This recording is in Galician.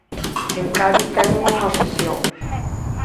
En Cádiz teñen unha obsesión.